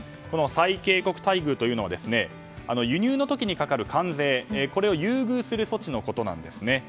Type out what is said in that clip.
この最恵国待遇というのは輸入の時にかかる関税を優遇する措置のことなんです。